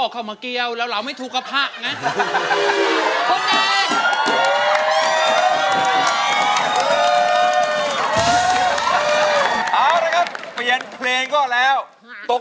กรัฟด้ายว่ากระปรับฯริต